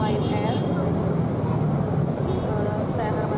dan saya hargai anda